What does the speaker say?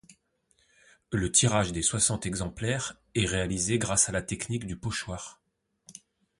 Le tirage des soixante exemplaires est réalisé grâce à la technique du pochoir.